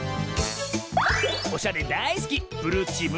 おしゃれだいすき